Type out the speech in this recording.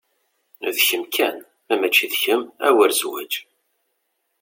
D kem kan, ma mači d kem a wer zwaǧ.